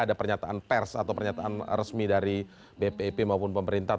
ada pernyataan pers atau pernyataan resmi dari bpip maupun pemerintah